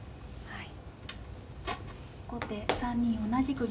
はい。